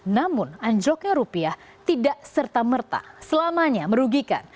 namun anjloknya rupiah tidak serta merta selamanya merugikan